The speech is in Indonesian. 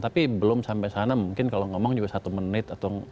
tapi belum sampai sana mungkin kalau ngomong juga satu menit